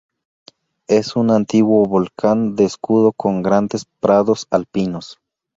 Es un antiguo volcán de escudo con grandes prados alpinos.